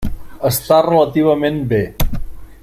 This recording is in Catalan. Està relativament bé.